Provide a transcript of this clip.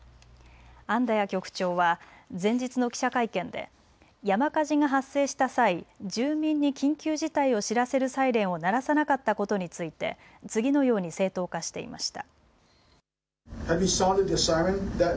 アンダヤ局長は前日の記者会見で山火事が発生した際、住民に緊急事態を知らせるサイレンを鳴らさなかったことについて次のように正当化していました。